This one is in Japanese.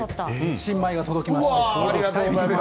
新米が届きました。